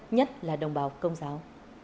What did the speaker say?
nhất là đồng bào công giáo